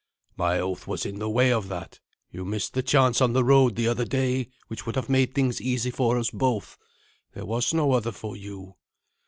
"My oath was in the way of that. You missed the chance on the road the other day, which would have made things easy for us both. There was no other for you."